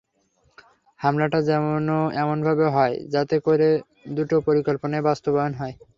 হামলাটা যেন এমনভাবে হয় যাতে করে দুটো পরিকল্পনাই বাস্তবায়ন হয়।